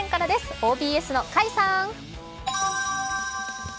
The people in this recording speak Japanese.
ＯＢＳの甲斐さん。